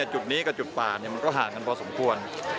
จุดนี้กับจุดป่ามันก็ห่างกันพอสมควร